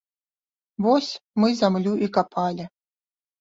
Вось мы зямлю і капалі.